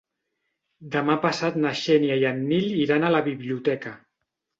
Demà passat na Xènia i en Nil iran a la biblioteca.